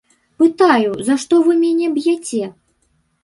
Пытаю, за што вы мяне б'яце?